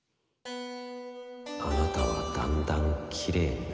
「あなたはだんだんきれいになる」